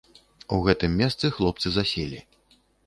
У гэтым месцы хлопцы заселі.